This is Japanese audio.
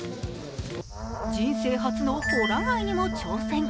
人生初のほら貝にも挑戦！